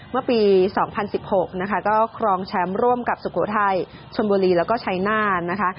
เมื่อปี๒๐๑๖นะคะก็ครองแชมป์ร่วมกับสุโขทัยชนบุรีแล้วก็ชัยนาธนะคะ